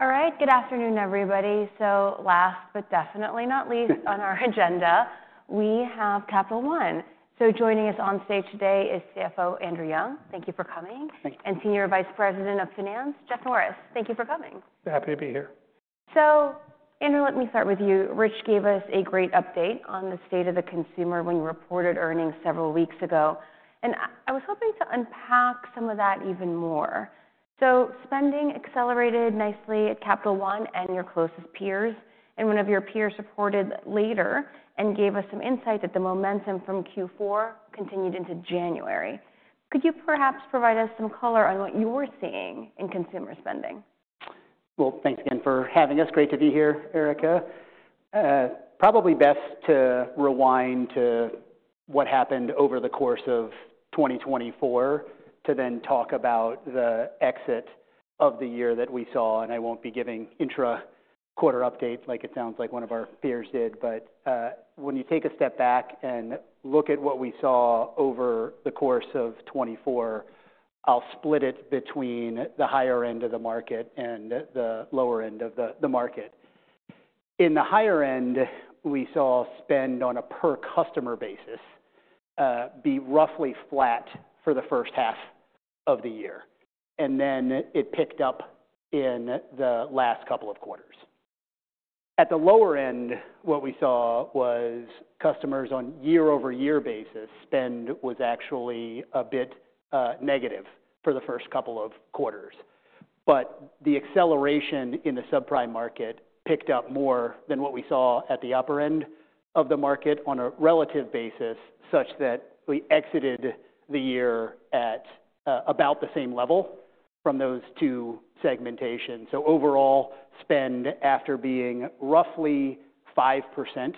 All right, good afternoon, everybody. So, last but definitely not least on our agenda, we have Capital One. So, joining us on stage today is CFO Andrew Young. Thank you for coming. Thank you. Senior Vice President of Finance, Jeff Norris. Thank you for coming. Happy to be here. So, Andrew, let me start with you. Rich gave us a great update on the state of the consumer when you reported earnings several weeks ago, and I was hoping to unpack some of that even more. So, spending accelerated nicely at Capital One and your closest peers, and one of your peers reported later and gave us some insight that the momentum from Q4 continued into January. Could you perhaps provide us some color on what you were seeing in consumer spending? Well, thanks again for having us. Great to be here, Erica. Probably best to rewind to what happened over the course of 2024 to then talk about the exit of the year that we saw. And I won't be giving intra-quarter updates like it sounds like one of our peers did, but when you take a step back and look at what we saw over the course of 2024, I'll split it between the higher end of the market and the lower end of the market. In the higher end, we saw spend on a per-customer basis be roughly flat for the first half of the year, and then it picked up in the last couple of quarters. At the lower end, what we saw was customers on a year-over-year basis, spend was actually a bit negative for the first couple of quarters. But the acceleration in the subprime market picked up more than what we saw at the upper end of the market on a relative basis, such that we exited the year at about the same level from those two segmentations. So, overall, spend after being roughly 5%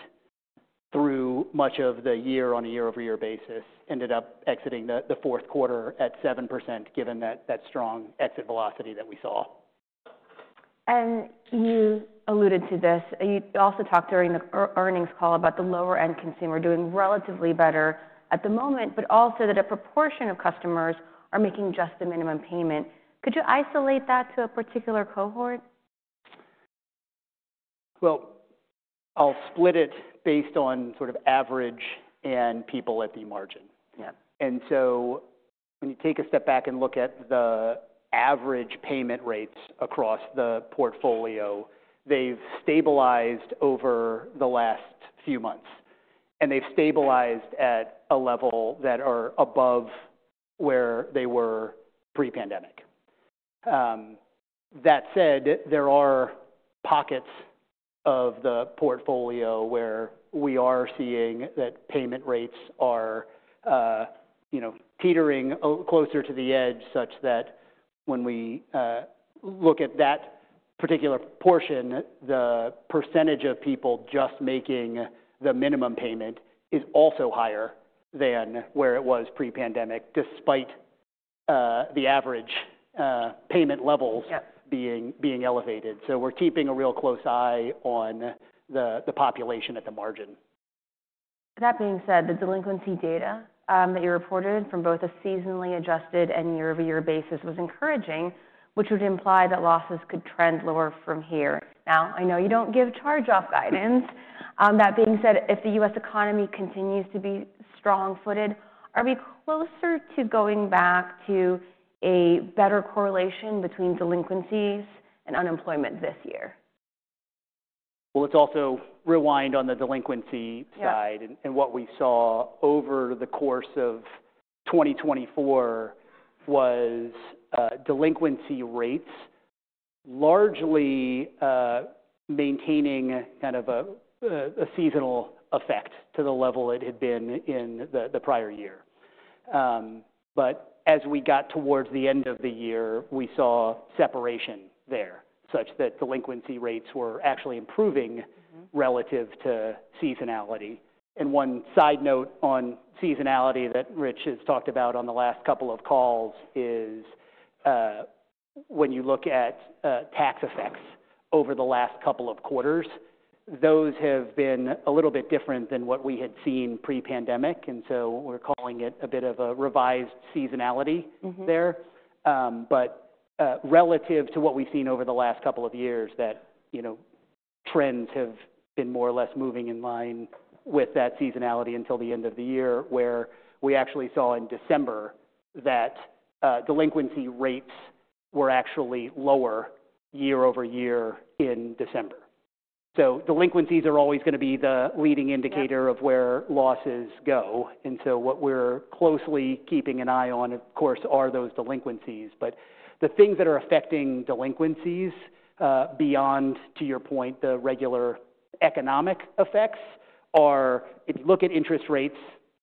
through much of the year on a year-over-year basis ended up exiting the fourth quarter at 7%, given that strong exit velocity that we saw. And you alluded to this. You also talked during the earnings call about the lower-end consumer doing relatively better at the moment, but also that a proportion of customers are making just the minimum payment. Could you isolate that to a particular cohort? I'll split it based on sort of average and people at the margin. Yeah. And so, when you take a step back and look at the average payment rates across the portfolio, they've stabilized over the last few months, and they've stabilized at a level that is above where they were pre-pandemic. That said, there are pockets of the portfolio where we are seeing that payment rates are teetering closer to the edge, such that when we look at that particular portion, the percentage of people just making the minimum payment is also higher than where it was pre-pandemic, despite the average payment levels being elevated. So, we're keeping a real close eye on the population at the margin. That being said, the delinquency data that you reported from both a seasonally adjusted and year-over-year basis was encouraging, which would imply that losses could trend lower from here. Now, I know you don't give charge-off guidance. That being said, if the U.S. economy continues to be strong-footed, are we closer to going back to a better correlation between delinquencies and unemployment this year? Let's also rewind on the delinquency side. Yeah. And what we saw over the course of 2024 was delinquency rates largely maintaining kind of a seasonal effect to the level it had been in the prior year. But as we got towards the end of the year, we saw separation there, such that delinquency rates were actually improving relative to seasonality. And one side note on seasonality that Rich has talked about on the last couple of calls is when you look at tax effects over the last couple of quarters, those have been a little bit different than what we had seen pre-pandemic. And so, we're calling it a bit of a revised seasonality there. But relative to what we've seen over the last couple of years, the trends have been more or less moving in line with that seasonality until the end of the year, where we actually saw in December that delinquency rates were actually lower year-over-year in December. So, delinquencies are always going to be the leading indicator of where losses go. And so, what we're closely keeping an eye on, of course, are those delinquencies. But the things that are affecting delinquencies beyond, to your point, the regular economic effects are if you look at interest rates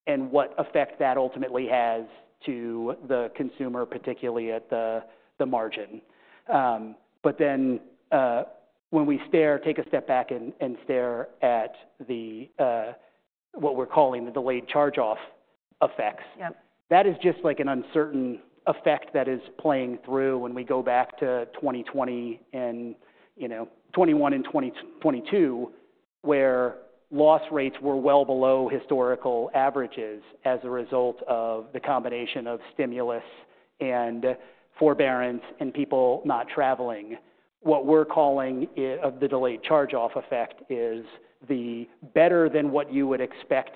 and what effect that ultimately has to the consumer, particularly at the margin. But then when we take a step back and stare at what we're calling the delayed charge-off effects. Yeah. That is just like an uncertain effect that is playing through when we go back to 2020 and 2021 and 2022, where loss rates were well below historical averages as a result of the combination of stimulus and forbearance and people not traveling. What we're calling the delayed charge-off effect is the better than what you would expect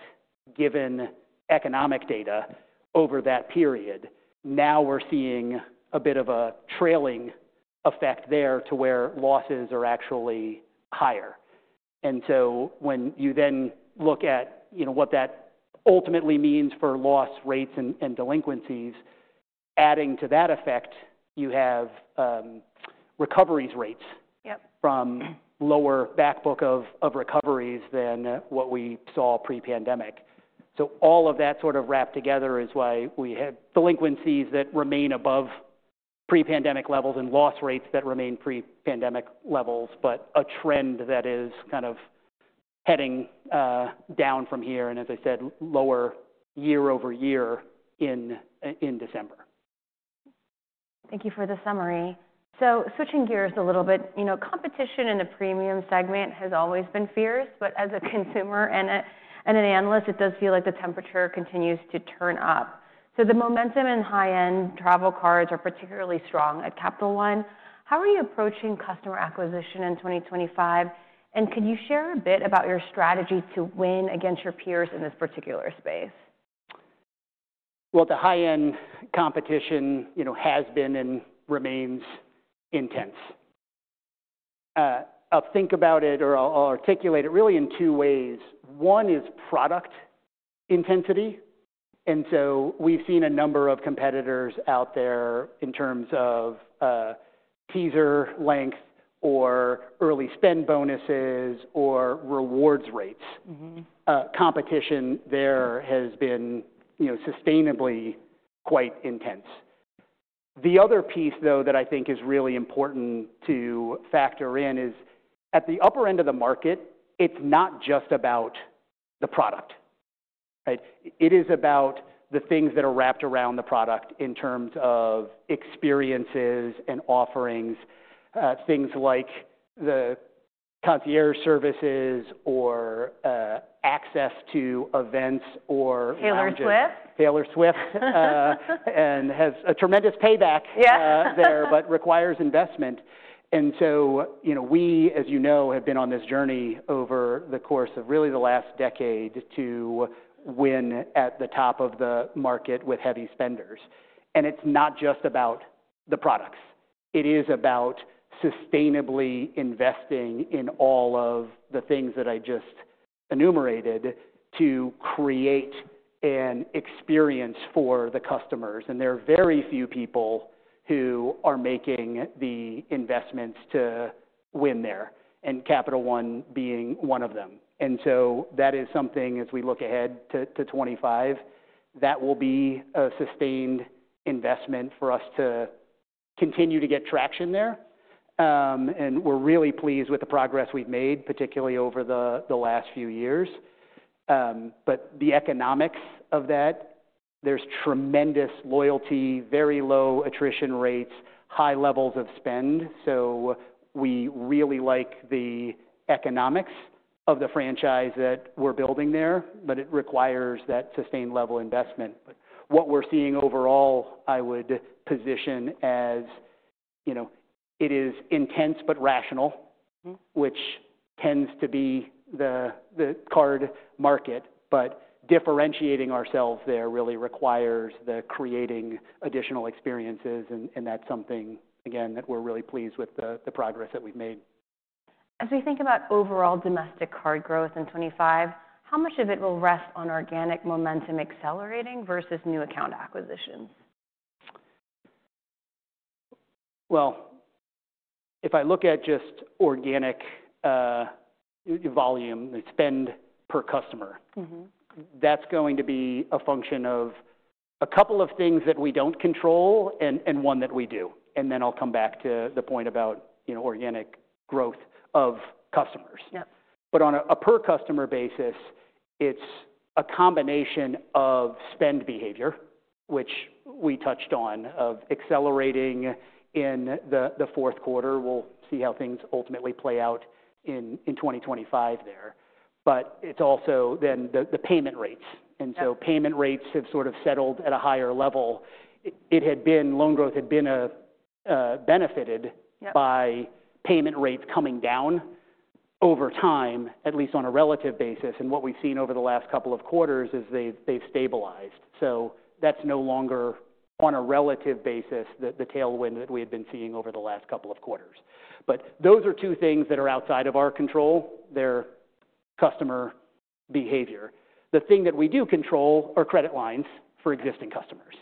given economic data over that period. Now, we're seeing a bit of a trailing effect there to where losses are actually higher. And so, when you then look at what that ultimately means for loss rates and delinquencies, adding to that effect, you have recovery rates. Yeah. From lower back book of recoveries than what we saw pre-pandemic. So, all of that sort of wrapped together is why we had delinquencies that remain above pre-pandemic levels and loss rates that remain pre-pandemic levels, but a trend that is kind of heading down from here, and as I said, lower year-over-year in December. Thank you for the summary. So, switching gears a little bit, competition in the premium segment has always been fierce, but as a consumer and an analyst, it does feel like the temperature continues to turn up. So, the momentum in high-end travel cards are particularly strong at Capital One. How are you approaching customer acquisition in 2025? And could you share a bit about your strategy to win against your peers in this particular space? The high-end competition has been and remains intense. I'll think about it or I'll articulate it really in two ways. One is product intensity. And so, we've seen a number of competitors out there in terms of teaser length or early spend bonuses or rewards rates. Competition there has been sustainably quite intense. The other piece, though, that I think is really important to factor in is at the upper end of the market, it's not just about the product, right? It is about the things that are wrapped around the product in terms of experiences and offerings, things like the concierge services or access to events or. Taylor Swift? Taylor Swift and has a tremendous payback. Yeah. There, but requires investment, and so, we, as you know, have been on this journey over the course of really the last decade to win at the top of the market with heavy spenders, and it's not just about the products. It is about sustainably investing in all of the things that I just enumerated to create an experience for the customers, and there are very few people who are making the investments to win there, and Capital One being one of them, and so, that is something as we look ahead to 2025, that will be a sustained investment for us to continue to get traction there, and we're really pleased with the progress we've made, particularly over the last few years, but the economics of that, there's tremendous loyalty, very low attrition rates, high levels of spend. So, we really like the economics of the franchise that we're building there, but it requires that sustained level investment. But what we're seeing overall, I would position as it is intense but rational, which tends to be the card market. But differentiating ourselves there really requires the creating additional experiences, and that's something, again, that we're really pleased with the progress that we've made. As we think about overall domestic card growth in 2025, how much of it will rest on organic momentum accelerating versus new account acquisitions? If I look at just organic volume and spend per customer, that's going to be a function of a couple of things that we don't control and one that we do. Then I'll come back to the point about organic growth of customers. Yeah. But on a per-customer basis, it's a combination of spend behavior, which we touched on, of accelerating in the fourth quarter. We'll see how things ultimately play out in 2025 there. But it's also then the payment rates. Yeah. And so, payment rates have sort of settled at a higher level. It had been. Loan growth had been benefited. Yeah. By payment rates coming down over time, at least on a relative basis. And what we've seen over the last couple of quarters is they've stabilized. So, that's no longer on a relative basis, the tailwind that we had been seeing over the last couple of quarters. But those are two things that are outside of our control. They're customer behavior. The thing that we do control are credit lines for existing customers.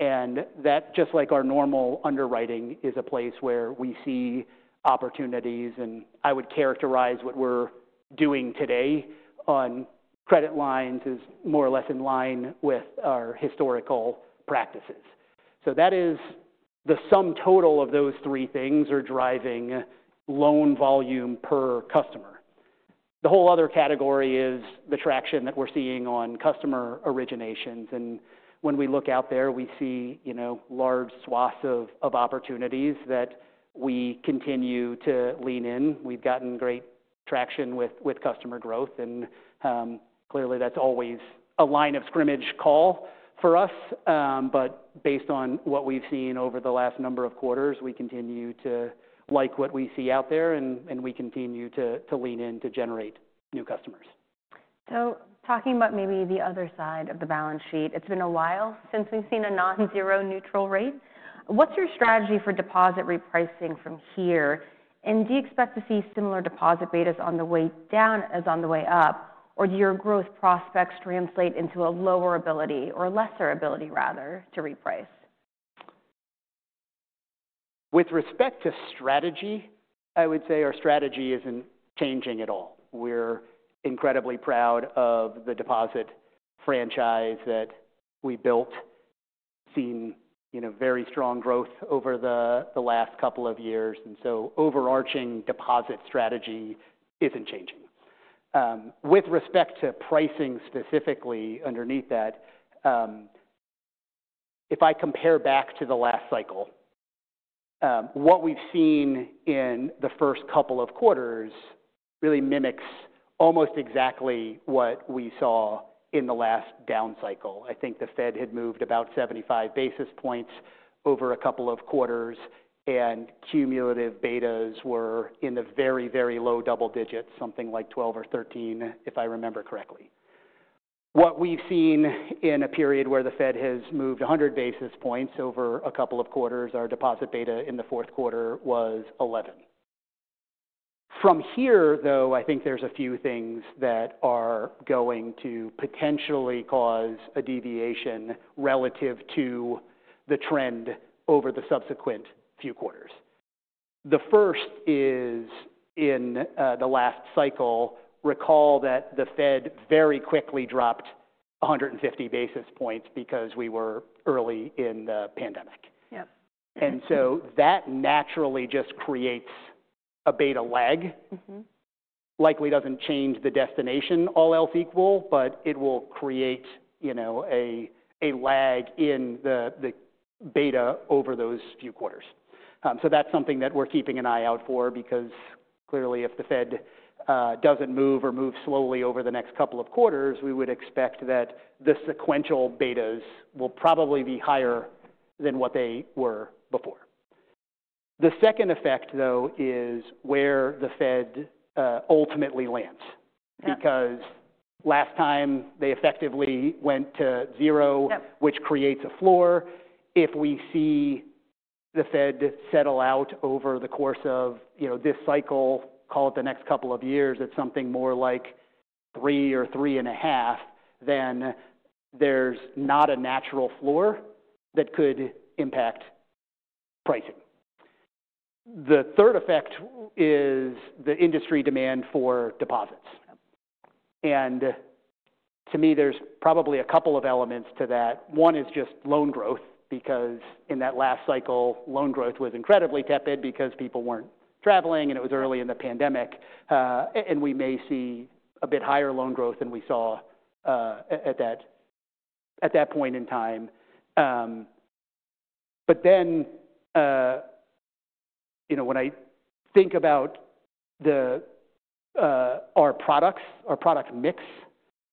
And that, just like our normal underwriting, is a place where we see opportunities. And I would characterize what we're doing today on credit lines as more or less in line with our historical practices. So, that is the sum total of those three things are driving loan volume per customer. The whole other category is the traction that we're seeing on customer originations. And when we look out there, we see large swaths of opportunities that we continue to lean in. We've gotten great traction with customer growth. And clearly, that's always a line of scrimmage call for us. But based on what we've seen over the last number of quarters, we continue to like what we see out there, and we continue to lean in to generate new customers. Talking about maybe the other side of the balance sheet, it's been a while since we've seen a non-zero neutral rate. What's your strategy for deposit repricing from here? And do you expect to see similar deposit rates on the way down as on the way up? Or do your growth prospects translate into a lower ability or lesser ability, rather, to reprice? With respect to strategy, I would say our strategy isn't changing at all. We're incredibly proud of the deposit franchise that we built. We've seen very strong growth over the last couple of years. And so, overarching deposit strategy isn't changing. With respect to pricing specifically underneath that, if I compare back to the last cycle, what we've seen in the first couple of quarters really mimics almost exactly what we saw in the last down cycle. I think the Fed had moved about 75 basis points over a couple of quarters, and cumulative betas were in the very, very low double digits, something like 12 or 13, if I remember correctly. What we've seen in a period where the Fed has moved 100 basis points over a couple of quarters, our deposit beta in the fourth quarter was 11. From here, though, I think there's a few things that are going to potentially cause a deviation relative to the trend over the subsequent few quarters. The first is in the last cycle, recall that the Fed very quickly dropped 150 basis points because we were early in the pandemic. Yeah. And so, that naturally just creates a beta lag. Likely doesn't change the destination all else equal, but it will create a lag in the beta over those few quarters. So, that's something that we're keeping an eye out for because clearly, if the Fed doesn't move or move slowly over the next couple of quarters, we would expect that the sequential betas will probably be higher than what they were before. The second effect, though, is where the Fed ultimately lands. Yeah. Because last time they effectively went to zero. Yeah. Which creates a floor. If we see the Fed settle out over the course of this cycle, call it the next couple of years, it's something more like three or three and a half, then there's not a natural floor that could impact pricing. The third effect is the industry demand for deposits. Yeah. And to me, there's probably a couple of elements to that. One is just loan growth because in that last cycle, loan growth was incredibly tepid because people weren't traveling, and it was early in the pandemic. And we may see a bit higher loan growth than we saw at that point in time. But then when I think about our products, our product mix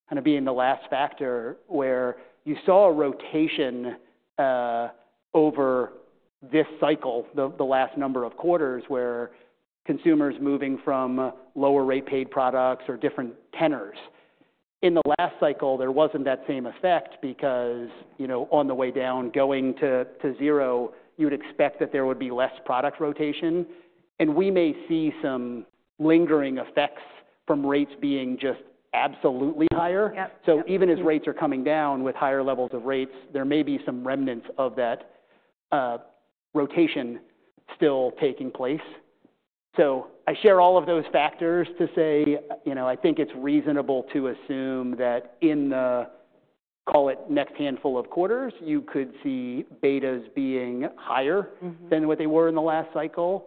kind of being the last factor where you saw a rotation over this cycle, the last number of quarters where consumers moving from lower rate-paid products or different tenors. In the last cycle, there wasn't that same effect because on the way down going to zero, you would expect that there would be less product rotation. And we may see some lingering effects from rates being just absolutely higher. Yeah. So, even as rates are coming down with higher levels of rates, there may be some remnants of that rotation still taking place. So, I share all of those factors to say I think it's reasonable to assume that in the, call it next handful of quarters, you could see betas being higher than what they were in the last cycle.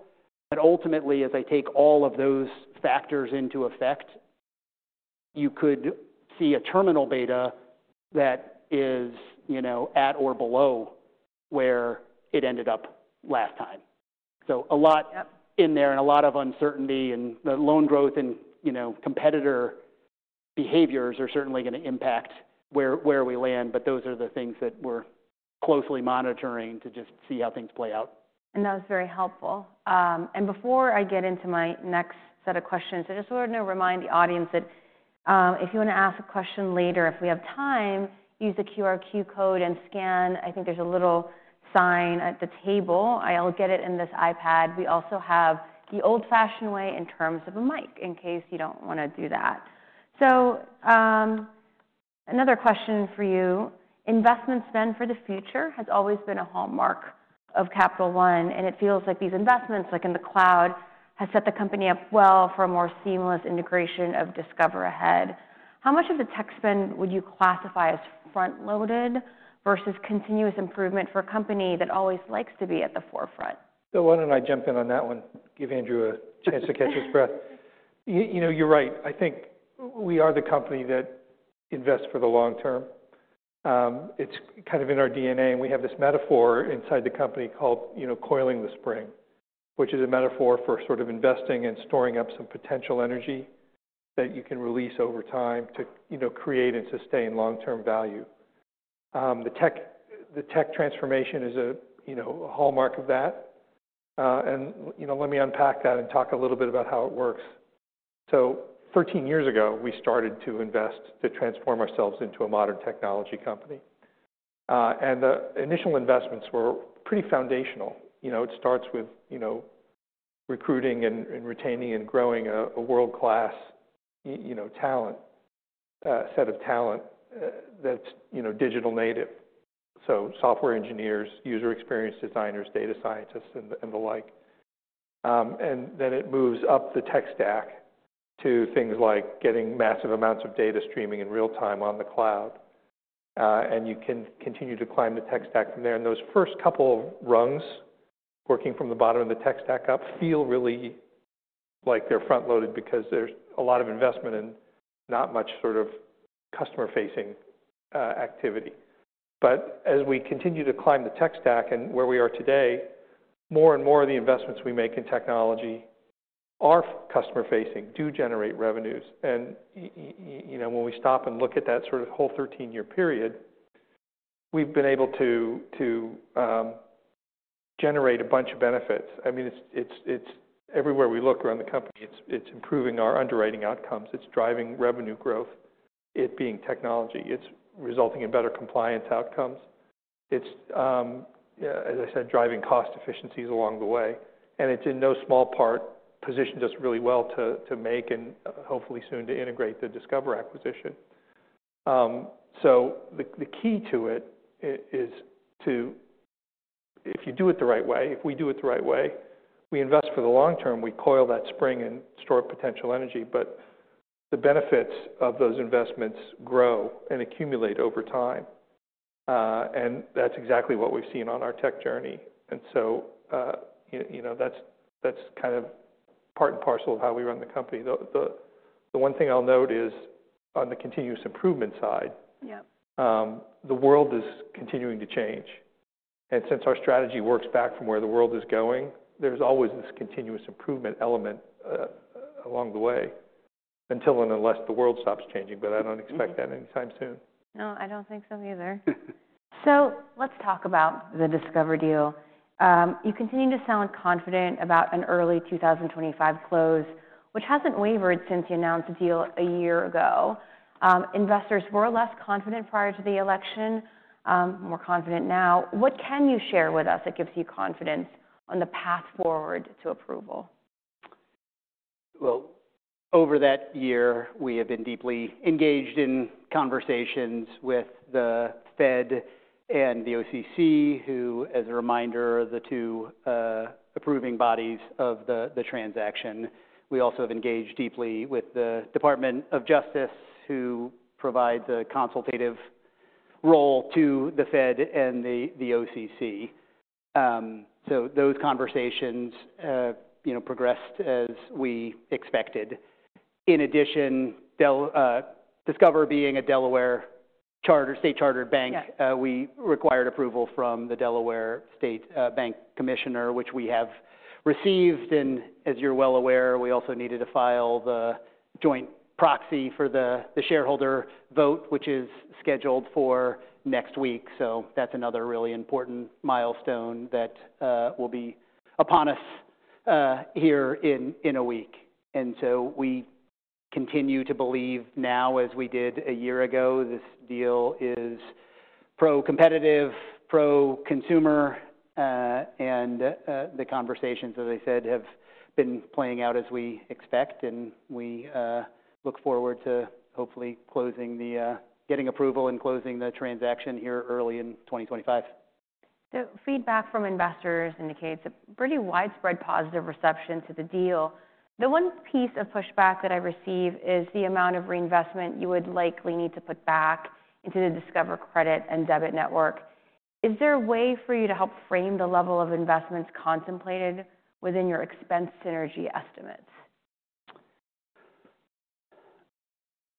But ultimately, as I take all of those factors into effect, you could see a terminal beta that is at or below where it ended up last time. So, a lot. Yeah. In there and a lot of uncertainty, and the loan growth and competitor behaviors are certainly going to impact where we land, but those are the things that we're closely monitoring to just see how things play out. And that was very helpful. Before I get into my next set of questions, I just want to remind the audience that if you want to ask a question later, if we have time, use the QR code and scan. I think there's a little sign at the table. I'll get it in this iPad. We also have the old-fashioned way in terms of a mic in case you don't want to do that. So, another question for you. Investment spend for the future has always been a hallmark of Capital One, and it feels like these investments, like in the cloud, have set the company up well for a more seamless integration of Discover ahead. How much of the tech spend would you classify as front-loaded versus continuous improvement for a company that always likes to be at the forefront? Erica, why don't I jump in on that one? Give Andrew a chance to catch his breath. Sure. You know, you're right. I think we are the company that invests for the long term. It's kind of in our DNA. And we have this metaphor inside the company called coiling the spring, which is a metaphor for sort of investing and storing up some potential energy that you can release over time to create and sustain long-term value. The tech transformation is a hallmark of that. And let me unpack that and talk a little bit about how it works. So, 13 years ago, we started to invest to transform ourselves into a modern technology company. And the initial investments were pretty foundational. It starts with recruiting and retaining and growing a world-class set of talent that's digital native. So, software engineers, user experience designers, data scientists, and the like. And then it moves up the tech stack to things like getting massive amounts of data streaming in real time on the cloud. And you can continue to climb the tech stack from there. And those first couple of rungs working from the bottom of the tech stack up feel really like they're front-loaded because there's a lot of investment and not much sort of customer-facing activity. But as we continue to climb the tech stack and where we are today, more and more of the investments we make in technology are customer-facing, do generate revenues. And when we stop and look at that sort of whole 13-year period, we've been able to generate a bunch of benefits. I mean, it's everywhere we look around the company, it's improving our underwriting outcomes. It's driving revenue growth. It being technology. It's resulting in better compliance outcomes. It's, as I said, driving cost efficiencies along the way. And it's in no small part positioned us really well to make and hopefully soon to integrate the Discover acquisition. So, the key to it is to, if you do it the right way, if we do it the right way, we invest for the long term, we coil that spring and store potential energy. But the benefits of those investments grow and accumulate over time. And that's exactly what we've seen on our tech journey. And so, that's kind of part and parcel of how we run the company. The one thing I'll note is on the continuous improvement side. Yeah. The world is continuing to change, and since our strategy works back from where the world is going, there's always this continuous improvement element along the way until and unless the world stops changing, but I don't expect that anytime soon. No, I don't think so either. So, let's talk about the Discover deal. You continue to sound confident about an early 2025 close, which hasn't wavered since you announced the deal a year ago. Investors were less confident prior to the election, more confident now. What can you share with us that gives you confidence on the path forward to approval? Over that year, we have been deeply engaged in conversations with the Fed and the OCC, who, as a reminder, are the two approving bodies of the transaction. We also have engaged deeply with the Department of Justice, who provide the consultative role to the Fed and the OCC. Those conversations progressed as we expected. In addition, Discover being a Delaware state chartered bank. Yeah. We required approval from the Delaware State Bank Commissioner, which we have received, and as you're well aware, we also needed to file the joint proxy for the shareholder vote, which is scheduled for next week, so that's another really important milestone that will be upon us here in a week, and so we continue to believe now, as we did a year ago, this deal is pro-competitive, pro-consumer, and the conversations, as I said, have been playing out as we expect, and we look forward to hopefully closing, getting approval and closing the transaction here early in 2025. Feedback from investors indicates a pretty widespread positive reception to the deal. The one piece of pushback that I receive is the amount of reinvestment you would likely need to put back into the Discover credit and debit network. Is there a way for you to help frame the level of investments contemplated within your expense synergy estimates?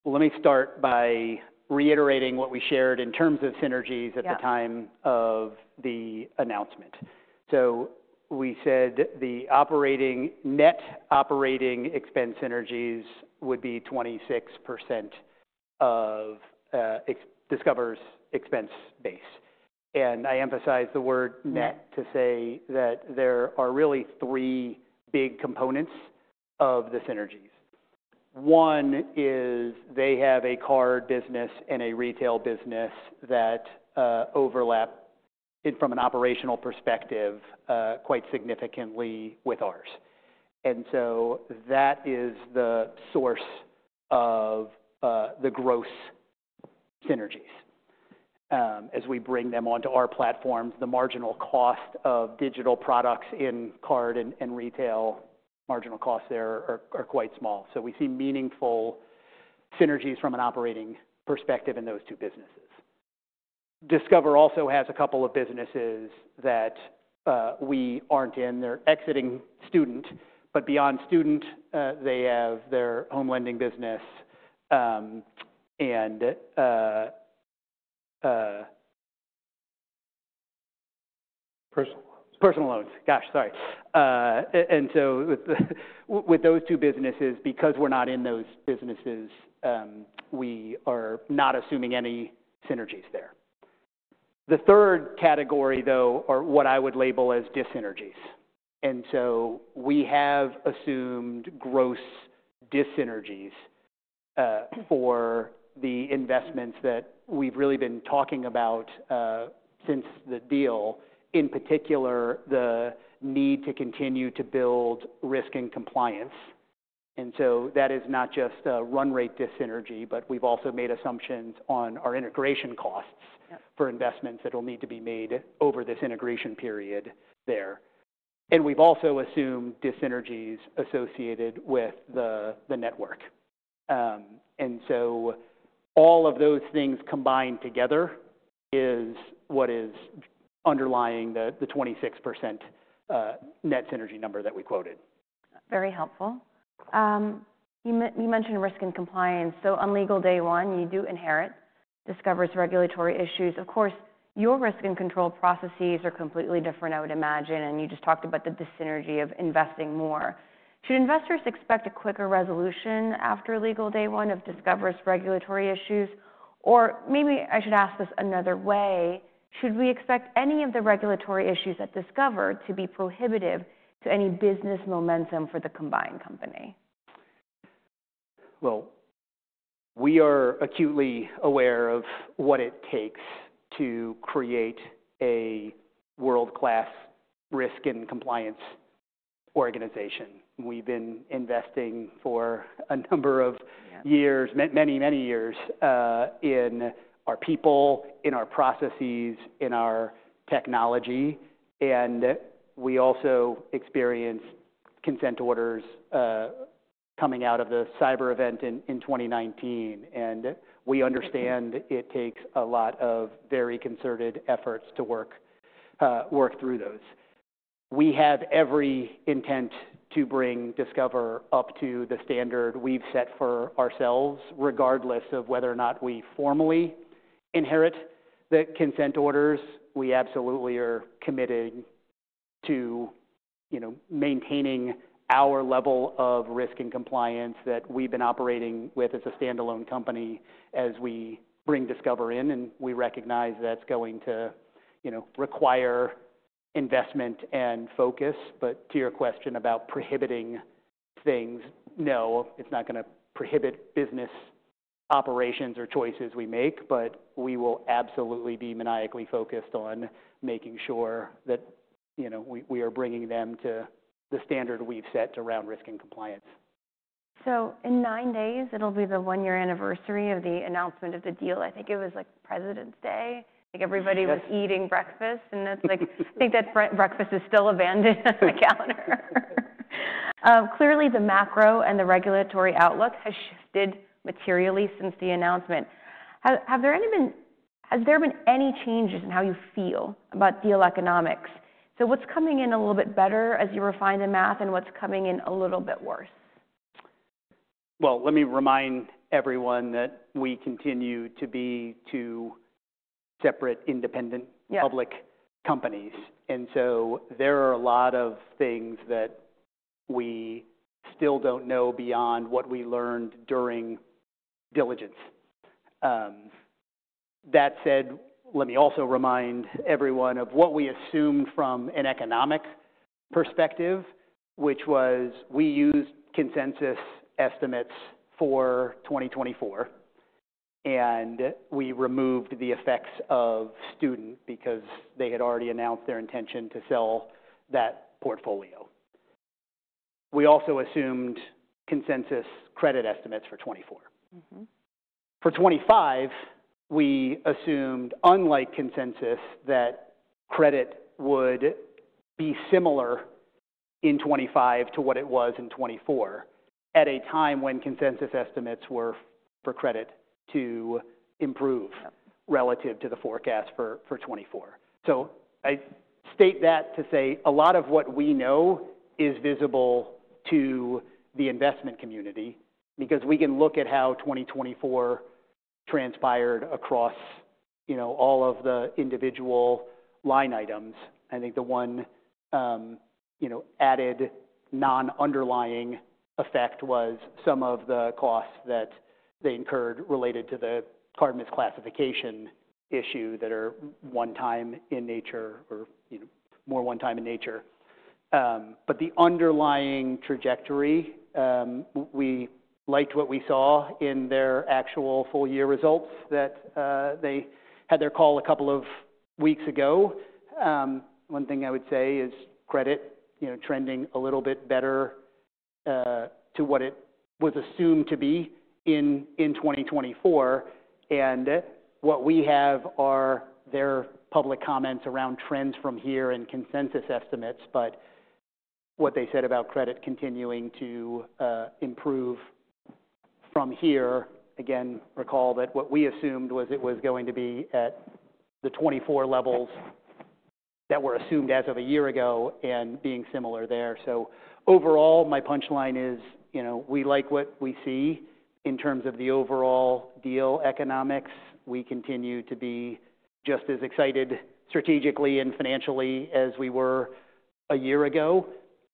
Let me start by reiterating what we shared in terms of synergies at the time of the announcement. We said the operating net operating expense synergies would be 26% of Discover's expense base. I emphasize the word net to say that there are really three big components of the synergies. One is they have a card business and a retail business that overlap from an operational perspective quite significantly with ours. That is the source of the gross synergies. As we bring them onto our platforms, the marginal cost of digital products in card and retail marginal costs there are quite small. We see meaningful synergies from an operating perspective in those two businesses. Discover also has a couple of businesses that we aren't in. They're exiting student. But beyond student, they have their home lending business and. Personal loans. Personal loans. Gosh, sorry. And so, with those two businesses, because we're not in those businesses, we are not assuming any synergies there. The third category, though, are what I would label as dyssynergies. And so, we have assumed gross dyssynergies for the investments that we've really been talking about since the deal, in particular the need to continue to build risk and compliance. And so, that is not just a run rate dyssynergy, but we've also made assumptions on our integration costs for investments that will need to be made over this integration period there. And we've also assumed dyssynergies associated with the network. And so, all of those things combined together is what is underlying the 26% net synergy number that we quoted. Very helpful. You mentioned risk and compliance. So, on legal day one, you do inherit Discover's regulatory issues. Of course, your risk and control processes are completely different, I would imagine. And you just talked about the dyssynergy of investing more. Should investors expect a quicker resolution after legal day one of Discover's regulatory issues? Or maybe I should ask this another way. Should we expect any of the regulatory issues at Discover to be prohibitive to any business momentum for the combined company? We are acutely aware of what it takes to create a world-class risk and compliance organization. We've been investing for a number of years, many, many years in our people, in our processes, in our technology. We also experienced consent orders coming out of the cyber event in 2019. We understand it takes a lot of very concerted efforts to work through those. We have every intent to bring Discover up to the standard we've set for ourselves, regardless of whether or not we formally inherit the consent orders. We absolutely are committed to maintaining our level of risk and compliance that we've been operating with as a standalone company as we bring Discover in. We recognize that's going to require investment and focus. To your question about prohibiting things, no, it's not going to prohibit business operations or choices we make. But we will absolutely be maniacally focused on making sure that we are bringing them to the standard we've set around risk and compliance. So, in nine days, it'll be the one-year anniversary of the announcement of the deal. I think it was President's Day. I think everybody was eating breakfast. And I think that breakfast is still abandoned on the counter. Clearly, the macro and the regulatory outlook has shifted materially since the announcement. Have there been any changes in how you feel about deal economics? So, what's coming in a little bit better as you refine the math, and what's coming in a little bit worse? Well, let me remind everyone that we continue to be two separate independent public companies. And so, there are a lot of things that we still don't know beyond what we learned during diligence. That said, let me also remind everyone of what we assumed from an economic perspective, which was we used consensus estimates for 2024. And we removed the effects of student because they had already announced their intention to sell that portfolio. We also assumed consensus credit estimates for 2024. For 2025, we assumed, unlike consensus, that credit would be similar in 2025 to what it was in 2024 at a time when consensus estimates were for credit to improve relative to the forecast for 2024. I state that to say a lot of what we know is visible to the investment community because we can look at how 2024 transpired across all of the individual line items. I think the one added non-underlying effect was some of the costs that they incurred related to the card misclassification issue that are one-time in nature or more one-time in nature. The underlying trajectory, we liked what we saw in their actual full-year results that they had their call a couple of weeks ago. One thing I would say is credit trending a little bit better to what it was assumed to be in 2024. What we have are their public comments around trends from here and consensus estimates. But what they said about credit continuing to improve from here, again, recall that what we assumed was it was going to be at the 2024 levels that were assumed as of a year ago and being similar there. So, overall, my punchline is we like what we see in terms of the overall deal economics. We continue to be just as excited strategically and financially as we were a year ago.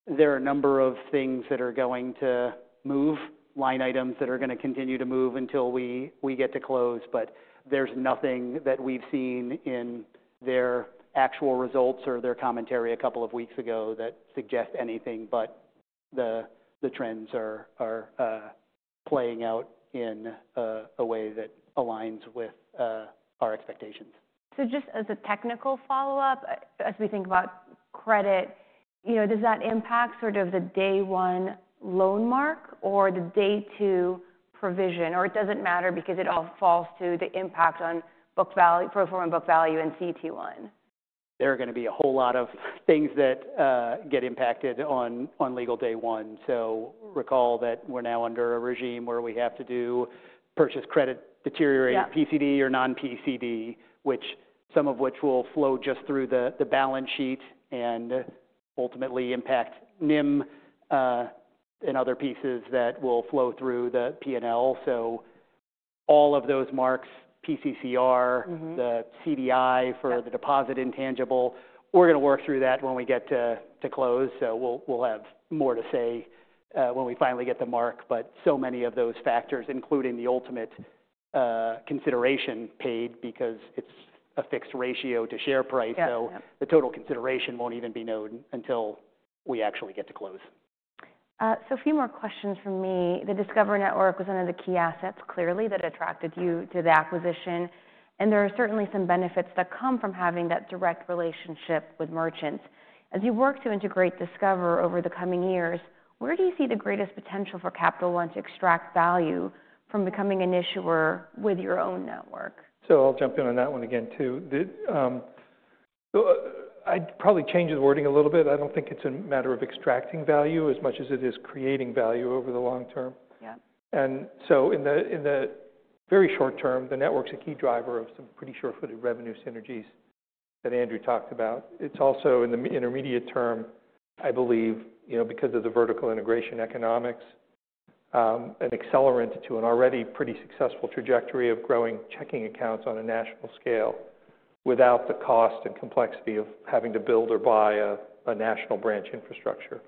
There are a number of things that are going to move, line items that are going to continue to move until we get to close. But there's nothing that we've seen in their actual results or their commentary a couple of weeks ago that suggests anything but the trends are playing out in a way that aligns with our expectations. So, just as a technical follow-up, as we think about credit, does that impact sort of the day one loan mark or the day two provision? Or it doesn't matter because it all falls to the impact on pro forma book value and CET1? There are going to be a whole lot of things that get impacted on legal day one. So, recall that we're now under a regime where we have to do purchased credit deteriorated PCD or non-PCD, which some of which will flow just through the balance sheet and ultimately impact NIM and other pieces that will flow through the P&L. So, all of those marks, PCCR, the CDI for the deposit intangible, we're going to work through that when we get to close. So, we'll have more to say when we finally get the mark. But so many of those factors, including the ultimate consideration paid because it's a fixed ratio to share price. So, the total consideration won't even be known until we actually get to close. So, a few more questions from me. The Discover Network was one of the key assets clearly that attracted you to the acquisition. And there are certainly some benefits that come from having that direct relationship with merchants. As you work to integrate Discover over the coming years, where do you see the greatest potential for Capital One to extract value from becoming an issuer with your own network? I'll jump in on that one again, too. I'd probably change the wording a little bit. I don't think it's a matter of extracting value as much as it is creating value over the long term. Yeah. In the very short term, the network's a key driver of some pretty sure-footed revenue synergies that Andrew talked about. It's also in the intermediate term, I believe, because of the vertical integration economics, an accelerant to an already pretty successful trajectory of growing checking accounts on a national scale without the cost and complexity of having to build or buy a national branch infrastructure.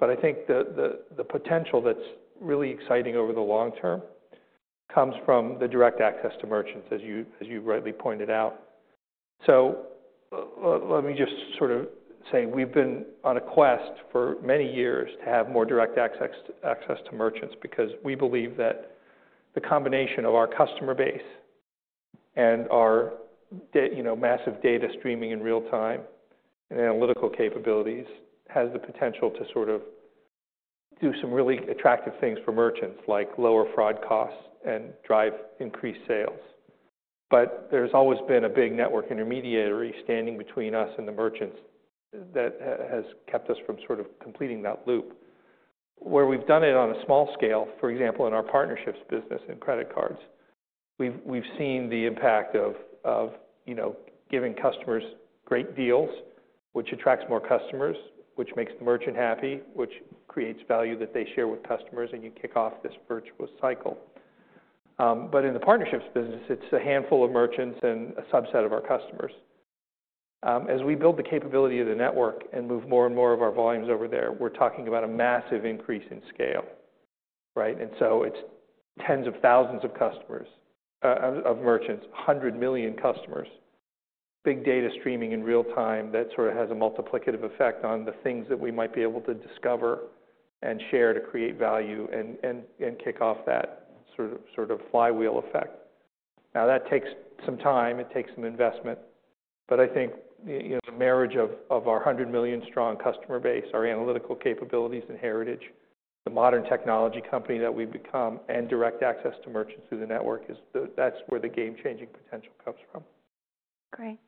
The potential that's really exciting over the long term comes from the direct access to merchants, as you rightly pointed out. Let me just sort of say we've been on a quest for many years to have more direct access to merchants because we believe that the combination of our customer base and our massive data streaming in real time and analytical capabilities has the potential to sort of do some really attractive things for merchants, like lower fraud costs and drive increased sales. There's always been a big network intermediary standing between us and the merchants that has kept us from sort of completing that loop. Where we've done it on a small scale, for example, in our partnerships business in credit cards, we've seen the impact of giving customers great deals, which attracts more customers, which makes the merchant happy, which creates value that they share with customers, and you kick off this virtuous cycle. But in the partnerships business, it's a handful of merchants and a subset of our customers. As we build the capability of the network and move more and more of our volumes over there, we're talking about a massive increase in scale, right? And so, it's tens of thousands of merchants, 100 million customers, big data streaming in real time that sort of has a multiplicative effect on the things that we might be able to discover and share to create value and kick off that sort of flywheel effect. Now, that takes some time. It takes some investment. But I think the marriage of our 100 million strong customer base, our analytical capabilities and heritage, the modern technology company that we've become, and direct access to merchants through the network, that's where the game-changing potential comes from. Great.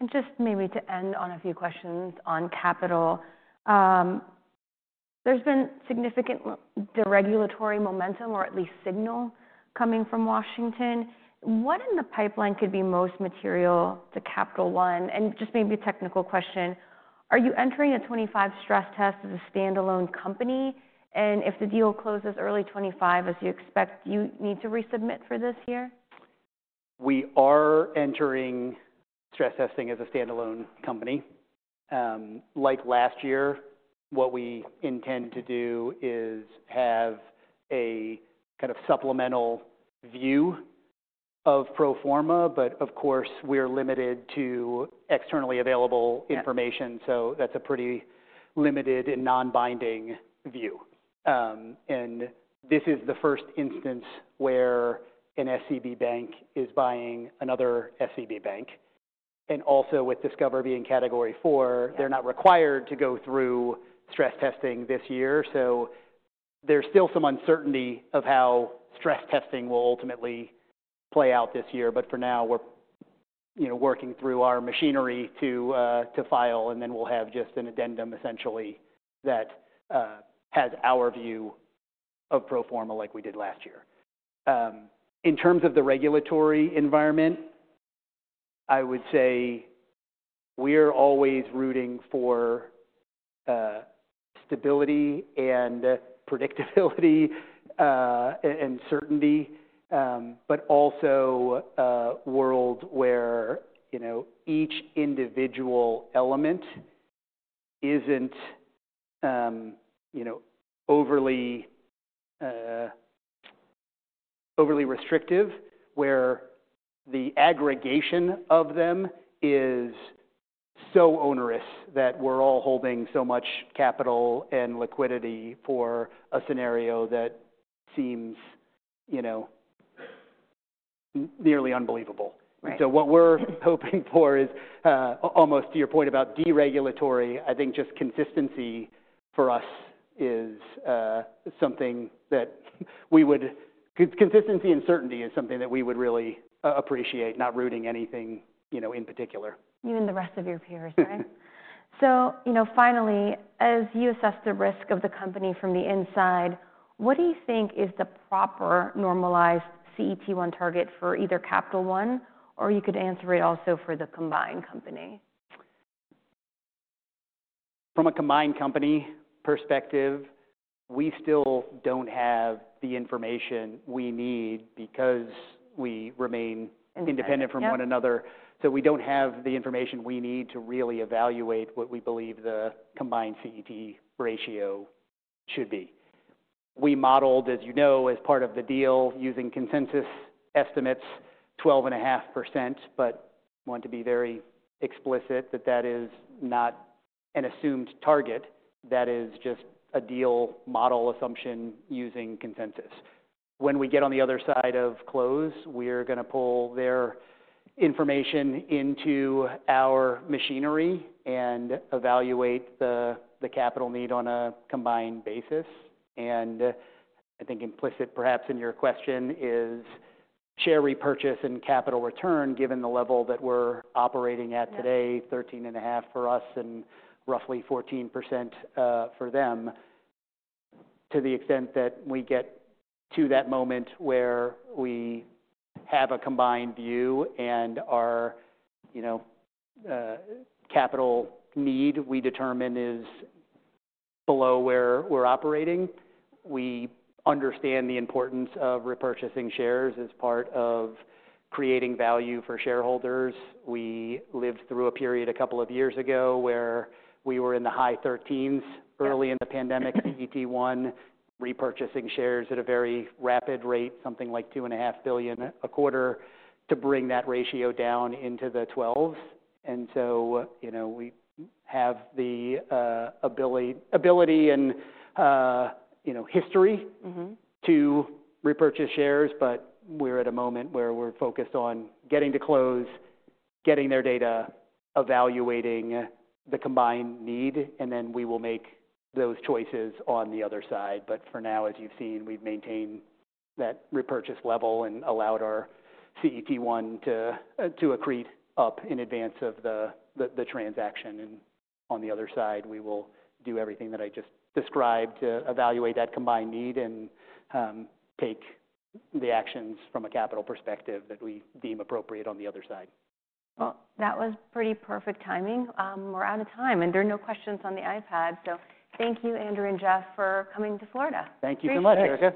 And just maybe to end on a few questions on capital, there's been significant regulatory momentum or at least signal coming from Washington. What in the pipeline could be most material to Capital One? And just maybe a technical question. Are you entering a 2025 stress test as a standalone company? And if the deal closes early 2025, as you expect, do you need to resubmit for this year? We are entering stress testing as a standalone company. Like last year, what we intend to do is have a kind of supplemental view of pro forma. But of course, we're limited to externally available information. So, that's a pretty limited and non-binding view. And this is the first instance where an SCB bank is buying another SCB bank. And also, with Discover being Category IV, they're not required to go through stress testing this year. So, there's still some uncertainty of how stress testing will ultimately play out this year. But for now, we're working through our machinery to file. And then we'll have just an addendum, essentially, that has our view of pro forma like we did last year. In terms of the regulatory environment, I would say we're always rooting for stability and predictability and certainty, but also a world where each individual element isn't overly restrictive, where the aggregation of them is so onerous that we're all holding so much capital and liquidity for a scenario that seems nearly unbelievable. Right. What we're hoping for is almost to your point about deregulatory. I think just consistency for us is something that we would, and certainty is something that we would really appreciate, not rooting anything in particular. Even the rest of your peers. Right. So, finally, as you assess the risk of the company from the inside, what do you think is the proper normalized CET1 target for either Capital One? Or you could answer it also for the combined company. From a combined company perspective, we still don't have the information we need because we remain independent from one another. Independent. So, we don't have the information we need to really evaluate what we believe the combined CET1 ratio should be. We modeled, as you know, as part of the deal, using consensus estimates, 12.5%. But I want to be very explicit that that is not an assumed target. That is just a deal model assumption using consensus. When we get on the other side of close, we're going to pull their information into our machinery and evaluate the capital need on a combined basis. And I think implicit, perhaps, in your question is share repurchase and capital return, given the level that we're operating at today, 13.5% for us and roughly 14% for them, to the extent that we get to that moment where we have a combined view and our capital need we determine is below where we're operating. We understand the importance of repurchasing shares as part of creating value for shareholders. We lived through a period a couple of years ago where we were in the high 13s early in the pandemic CET1, repurchasing shares at a very rapid rate, something like $2.5 billion a quarter, to bring that ratio down into the 12s. And so, we have the ability and history to repurchase shares. But we're at a moment where we're focused on getting to close, getting their data, evaluating the combined need, and then we will make those choices on the other side. But for now, as you've seen, we've maintained that repurchase level and allowed our CET1 to accrete up in advance of the transaction. On the other side, we will do everything that I just described to evaluate that combined need and take the actions from a capital perspective that we deem appropriate on the other side. That was pretty perfect timing. We're out of time. There are no questions on the iPad. Thank you, Andrew and Jeff, for coming to Florida. Thank you so much, Erica.